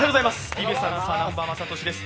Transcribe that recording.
ＴＢＳアナウンサー・南波雅俊です。